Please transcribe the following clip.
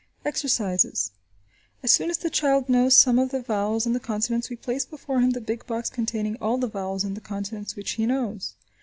Exercises. As soon as the child knows some of the vowels and the consonants we place before him the big box containing all the vowels and the consonants which he knows.